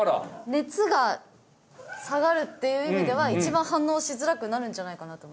熱が下がるっていう意味では一番反応しづらくなるんじゃないかなと。